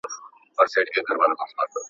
پېژندلی یې خپل کور وو خپله خونه !.